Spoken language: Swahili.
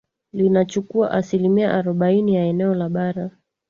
linachukua asilimia arobaini ya eneo la bara